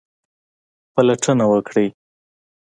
پلټنه وکړئ